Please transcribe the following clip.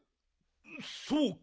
そうか。